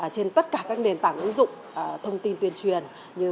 trên tất cả các nền tảng ứng dụng thông tin tuyên truyền